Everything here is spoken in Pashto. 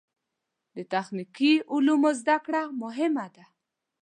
د تخنیکي علومو زده کړه مهمه ده.